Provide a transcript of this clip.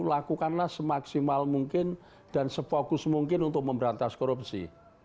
lakukanlah semaksimal mungkin dan sefokus mungkin untuk memberantas korupsi